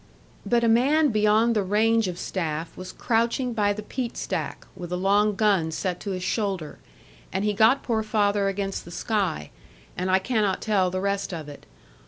But a man beyond the range of staff was crouching by the peat stack, with a long gun set to his shoulder, and he got poor father against the sky, and I cannot tell the rest of it.